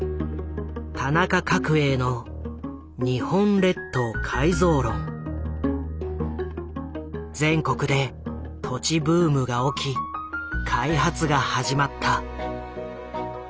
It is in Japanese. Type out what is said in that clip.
田中角栄の全国で土地ブームが起き開発が始まった。